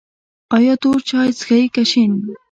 ایا تور چای څښئ که شین؟